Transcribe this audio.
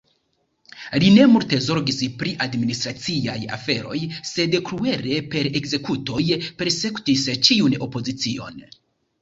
Li ne multe zorgis pri administraciaj aferoj, sed kruele per ekzekutoj persekutis ĉiun opozicion.